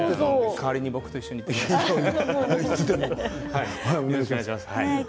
代わりに僕と一緒に行ってください。